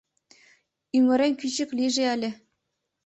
Ӱмырем кӱчык лийже ыле.